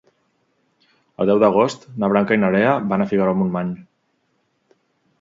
El deu d'agost na Blanca i na Lea van a Figaró-Montmany.